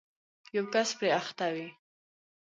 یو کس پرې اخته وي